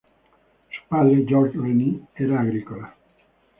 Su padre, George Rennie, era agrícola.